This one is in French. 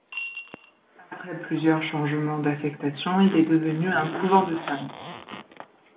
Après plusieurs changements d'affectation il est devenu un couvent de femmes.